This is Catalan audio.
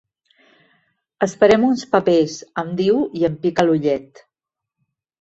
Esperem uns papers —em diu, i em pica l'ullet—.